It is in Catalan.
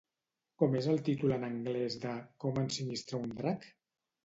Com és el títol en anglès de Com ensinistrar un drac?